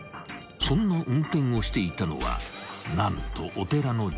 ［そんな運転をしていたのは何と］